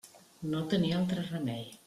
No tenia altre remei.